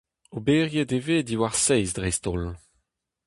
Oberiet e vez diwar seiz dreist-holl.